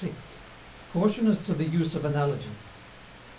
106. CAUTION AS TO THE USE OF ANALOGIES.